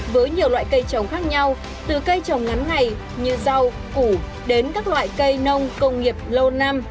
với nhiều loại cây trồng khác nhau từ cây trồng ngắn ngày như rau củ đến các loại cây nông công nghiệp lâu năm